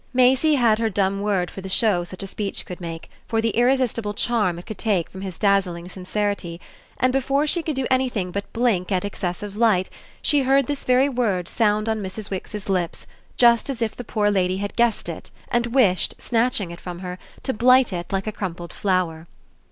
Maisie had her dumb word for the show such a speech could make, for the irresistible charm it could take from his dazzling sincerity; and before she could do anything but blink at excess of light she heard this very word sound on Mrs. Wix's lips, just as if the poor lady had guessed it and wished, snatching it from her, to blight it like a crumpled flower.